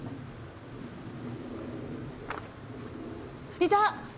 いた！